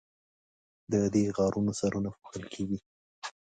د دې غارونو سرونه پوښل کیږي.